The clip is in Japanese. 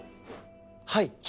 はい。